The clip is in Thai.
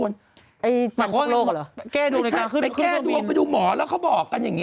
ไอ้จำพวกโลกอ่ะเหรอแก้ดวงในกลางขึ้นไปขึ้นเครื่องบินไม่ใช่ไปแก้ดวงไปดูหมอแล้วเขาบอกกันอย่างนี้